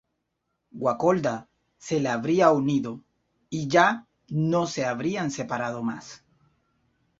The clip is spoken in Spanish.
Guacolda se le habría unido y ya no se habrían separado más.